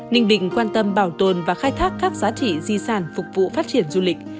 ninh bình quan tâm bảo tồn và khai thác các giá trị di sản phục vụ phát triển du lịch